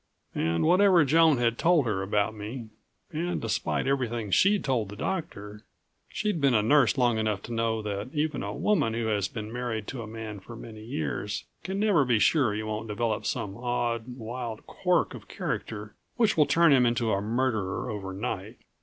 And whatever Joan had told her about me ... and despite everything she'd told the doctor ... she'd been a nurse long enough to know that even a woman who has been married to a man for many years can never be sure he won't develop some odd, wild quirk of character which will turn him into a murderer overnight.